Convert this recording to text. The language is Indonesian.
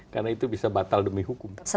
karena itu bisa batal demi hukum